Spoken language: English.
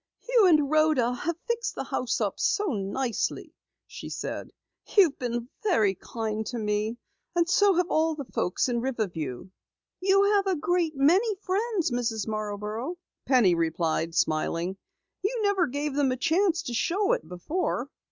"You and Rhoda have fixed the house up so nicely," she said. "You've been very kind to me, and so have all the folks in Riverview." "You have a great many friends, Mrs. Marborough," Penny replied, smiling. "You never gave them a chance to show it before."